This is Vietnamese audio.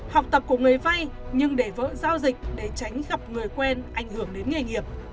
học tập của người vay nhưng để vỡ giao dịch để tránh gặp người quen ảnh hưởng đến nghề nghiệp